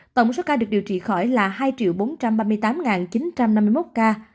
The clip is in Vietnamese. tổng số ca được điều trị khỏi là hai bốn trăm ba mươi tám chín trăm năm mươi một ca